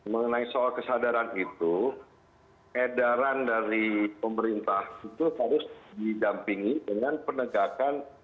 mengenai soal kesadaran itu edaran dari pemerintah itu harus didampingi dengan penegakan